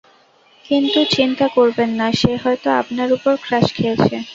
কিন্তু চিন্তা করবেন না সে হয়তো আপনার উপর ক্রাশ খেয়েছে।